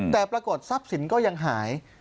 แต่ปรากฏทรัพย์สินก็ยังหาย